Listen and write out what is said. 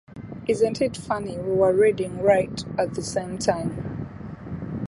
Isn't it funny we were reading Wright at the same time.